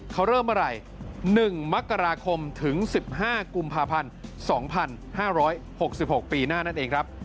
เขาเริ่มเมื่อไหร่๑มกราคมถึง๑๕กุมภาพันธ์๒๕๖๖ปีหน้านั่นเองครับ